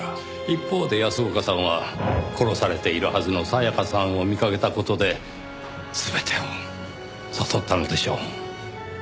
一方で安岡さんは殺されているはずの沙耶香さんを見かけた事で全てを悟ったのでしょう。